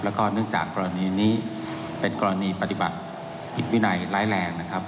แล้วก็เนื่องจากกรณีนี้เป็นกรณีปฏิบัติผิดวินัยร้ายแรงนะครับ